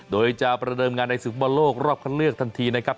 โดยจะประเดิมงานในศึกบอลโลกรอบคันเลือกทันทีนะครับ